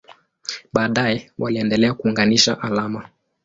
Baadaye waliendelea kuunganisha alama.